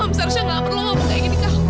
om sarsha tidak perlu ngomong seperti ini ke aku